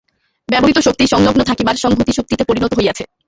ব্যবহৃত শক্তিই সংলগ্ন থাকিবার সংহতি-শক্তিতে পরিণত হইয়াছে।